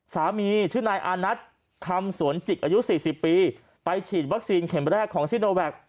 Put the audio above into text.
สามีชื่อนายอานัทคำสวนจิกอายุ๔๐ปีไปฉีดวัคซีนเข็มแรกของซิโนแวค